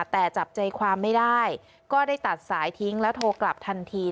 แต่จับใจความไม่ได้ก็ได้ตัดสายทิ้งแล้วโทรกลับทันที